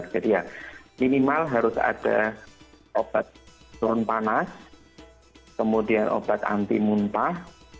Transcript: jadi ya minimal harus ada obat turun panas kemudian obat anti mumpah